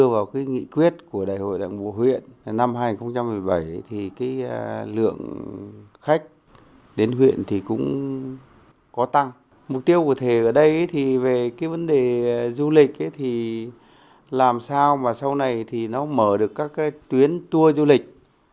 vấn đề du lịch làm sao mà sau này mở được các tuyến tour du lịch